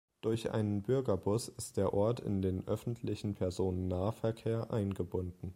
Durch einen Bürgerbus ist der Ort in den öffentlichen Personennahverkehr eingebunden.